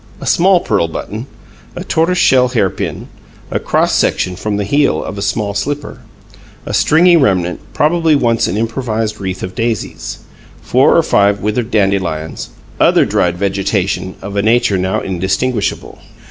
A small pearl button. A tortoise shell hair pin. A cross section from the heel of a small slipper. A stringy remnant, probably once an improvised wreath of daisies. Four or five withered dandelions. Other dried vegetation, of a nature now indistinguishable.